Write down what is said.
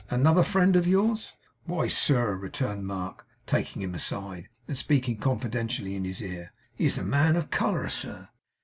Another friend of yours?' 'Why sir,' returned Mark, taking him aside, and speaking confidentially in his ear, 'he's a man of colour, sir!